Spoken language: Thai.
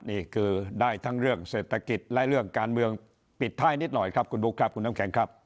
นี่คือได้ทั้งเรื่องเศรษฐกิจและเรื่องการเมืองปิดท้ายนิดหน่อยครับคุณบุ๊คครับคุณน้ำแข็งครับ